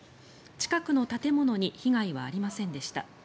近くの建物に被害はありませんでした。